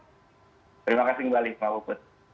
terima kasih mbak alif